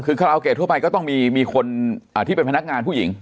คือคาราโอเกะทั่วไปก็ต้องมีคนที่เป็นพนักงานผู้หญิง